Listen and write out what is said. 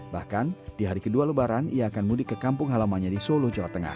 bahkan di hari kedua lebaran ia akan mudik ke kampung halamannya di solo jawa tengah